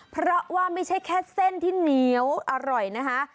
เพราะว่าไม่ใช่แค่เส้นที่เหนียวอร่อยนะคะ